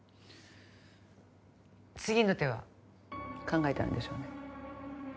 次の手は考えてあるんでしょうね